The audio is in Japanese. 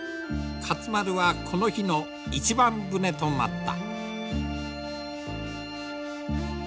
勝丸はこの日の一番船となった。